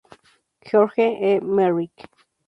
George E. Merrick